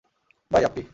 By, আপ্পি।